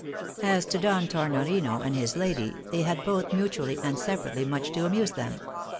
As to Don Tornorino and his lady, they had both mutually and separately much to amuse them.